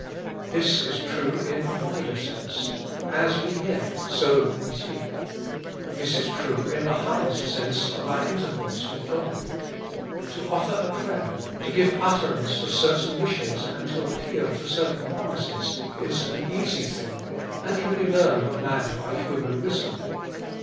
This is true in a wider sense: as we hear, so we speak. This is true in the highest sense of our intercourse with God. To offer a prayer— to give utterance to certain wishes and to appeal to certain promises— is an easy thing, and can be learned of man by human wisdom.